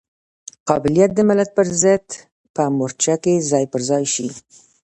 قبایلت د ملت پرضد په مورچه کې ځای پر ځای شي.